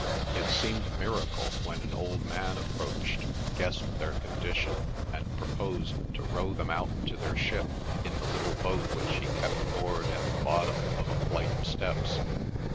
It seemed a miracle when an old man approached, guessed their condition, and proposed to row them out to their ship in the little boat which he kept moored at the bottom of a flight of steps.